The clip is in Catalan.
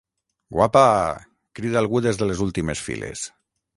Guapaaaa! —crida algú des de les últimes files.